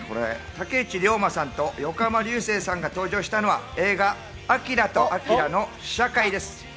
竹内涼真さんと横浜流星さんが登場したのは映画『アキラとあきら』の試写会です。